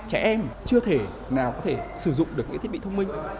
trẻ em chưa thể nào có thể sử dụng được những thiết bị thông minh